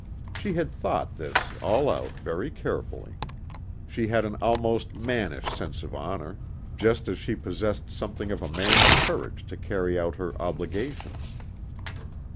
She had thought this all out very carefully. She had an almost mannish sense of honor, just as she possessed something of a man's courage to carry out her obligations.